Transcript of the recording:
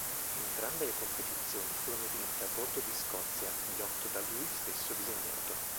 Entrambe le competizioni furono vinte a bordo di "Scotia", yacht da lui stesso disegnato.